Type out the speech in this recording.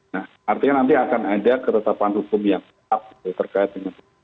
nah artinya nanti akan ada keretapan hukum yang tetap terkait dengan